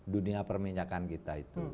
dunia permenyakan kita itu